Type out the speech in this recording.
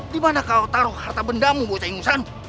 dimana kau taruh harta bendamu bocah ingusan